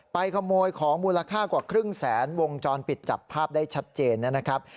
ขโมยของมูลค่ากว่าครึ่งแสนวงจรปิดจับภาพได้ชัดเจนนะครับ